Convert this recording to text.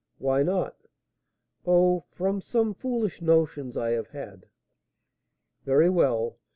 "Why not?" "Oh, from some foolish notions I have had." "Very well.